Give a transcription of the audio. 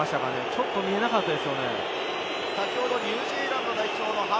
ちょっと見えなかったですね。